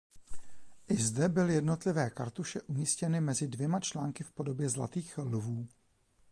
I zde byly jednotlivé kartuše umístěny mezi dvěma články v podobě zlatých lvů.